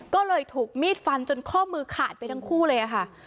ก็เลยถูกมีดฟันจนข้อมือขาดไปทั้งคู่เลยค่ะ